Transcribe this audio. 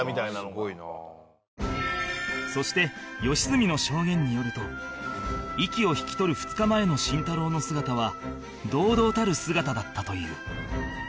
そして良純の証言によると息を引き取る２日前の慎太郎の姿は堂々たる姿だったという